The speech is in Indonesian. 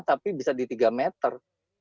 tapi bisa di tiga meter